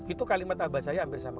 itu kalimat abah saya hampir sama